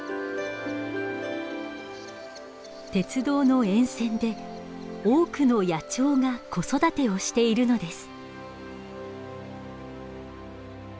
鉄道の沿線で多くの野鳥が子育てをしているのです。